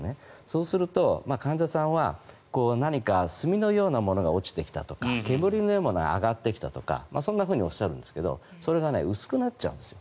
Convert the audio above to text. そうすると患者さんは何か墨のようなものが落ちてきたとか煙のようなものが上がってきたとかそんなふうにおっしゃるんですがそれが薄くなっちゃうんです。